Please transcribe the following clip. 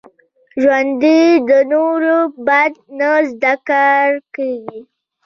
ژوندي د نورو بد نه زده کړه کوي